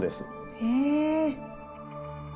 へえ。